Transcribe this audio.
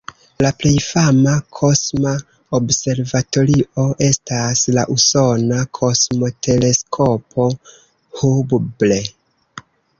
La plej fama kosma observatorio estas la usona Kosmoteleskopo Hubble.